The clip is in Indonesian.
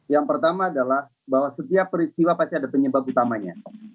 yang pertama adalah bahwa setiap peristiwa pasti ada penyebab utamanya